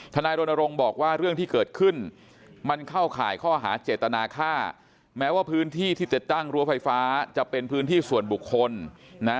นายรณรงค์บอกว่าเรื่องที่เกิดขึ้นมันเข้าข่ายข้อหาเจตนาค่าแม้ว่าพื้นที่ที่ติดตั้งรั้วไฟฟ้าจะเป็นพื้นที่ส่วนบุคคลนะ